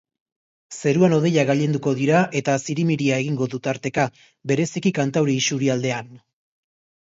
Zeruan hodeiak gailenduko dira etazirimiria egingo du tarteka, bereziki kantauri isurialdean.